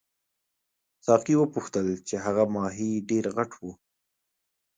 ساقي وپوښتل چې هغه ماهي ډېر غټ وو.